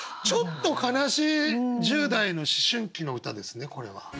ちょっと悲しい１０代の思春期の歌ですねこれは。